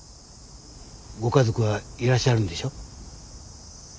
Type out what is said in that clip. ご家族はいらっしゃるんでしょ？